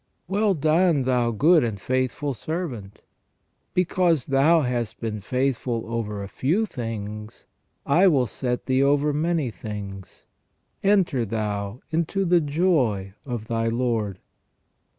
"Well done, thou good and faithful servant ; because thou hast been faithful over a few things, I will set thee over many things ; enter thou into the joy of thy Lord."